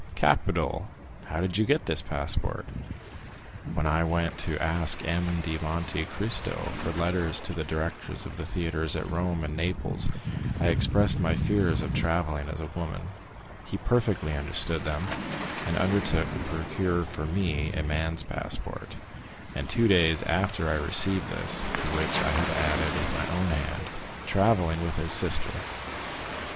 "Capital! How did you get this passport?" "When I went to ask M. de Monte Cristo for letters to the directors of the theatres at Rome and Naples, I expressed my fears of travelling as a woman; he perfectly understood them, and undertook to procure for me a man's passport, and two days after I received this, to which I have added with my own hand, 'travelling with his sister.